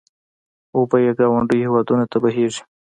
اوبه یې ګاونډیو هېوادونو ته بهېږي.